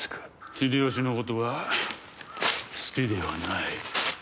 秀吉のことは好きではない。